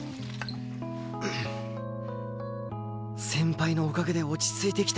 先輩のおかげで落ち着いてきた